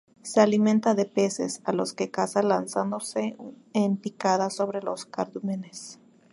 Se alimenta de peces, a los que caza lanzándose en picada sobre los cardúmenes.